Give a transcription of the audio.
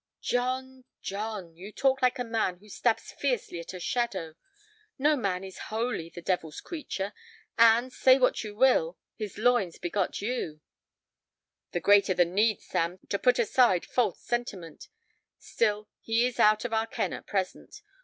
"John, John, you talk like a man who stabs fiercely at a shadow. No man is wholly the devil's creature, and, say what you will, his loins begot you." "The greater the need, Sam, to put aside false sentiment. Still, he is out of our ken at present.